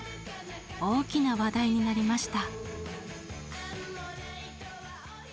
大きな話題になりました。